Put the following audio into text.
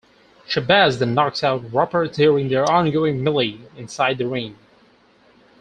Shabazz then knocks out Roper during their ongoing melee inside the ring.